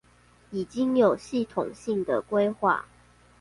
已經有系統性的規劃